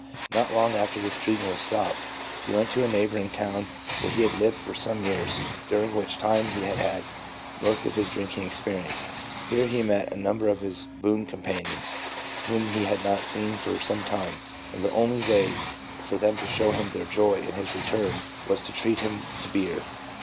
Not long after his treatment was stopped, he went to a neighbouring town where he had lived for some years, during which time he had had most of his drinking experience. Here he met a number of his boon companions, whom he had not seen for some time, and the only way for them to show him their joy in his return was to treat him to beer.